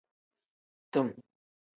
Tim.